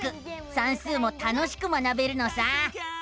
算数も楽しく学べるのさ！